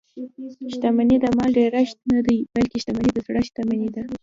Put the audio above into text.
شتمني د مال ډېرښت نه دئ؛ بلکي شتمني د زړه شتمني ده.